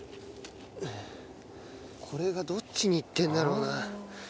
これがどっちにいってるんだろうな？